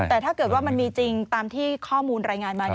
แต่ถ้าเกิดว่ามันมีจริงตามที่ข้อมูลรายงานมา